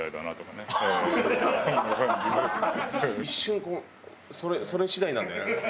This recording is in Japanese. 一瞬こうそれ次第なんだよな。